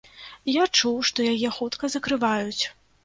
Я чуў, што яе хутка закрываюць.